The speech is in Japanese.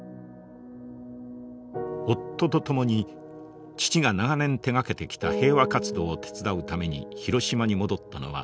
夫と共に父が長年手がけてきた平和活動を手伝うために広島に戻ったのは３０歳を過ぎた頃でした。